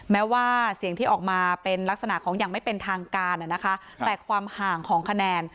แม้ว่าเสียงที่ออกมาเป็นลักษณะของอย่างไม่เป็นทางการนะคะแต่ความห่างของคะแนน